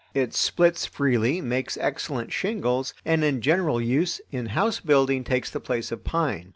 It splits freely, makes excellent shingles and in general use in house building takes the place of pine.